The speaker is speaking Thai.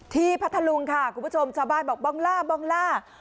พัทธลุงค่ะคุณผู้ชมชาวบ้านบอกบองล่าบองล่า